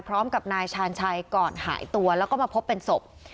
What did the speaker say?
พร้อมกับนายชาญชัยก่อนหายตัวแล้วก็มาพบเป็นศพ